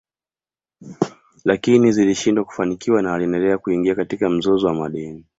Lakini zilishindwa kufanikiwa na aliendelea kuingia katika mzozo wa madeni